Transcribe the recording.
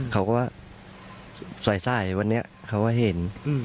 เขาก็ว่าสายวันนี้เขาก็เห็น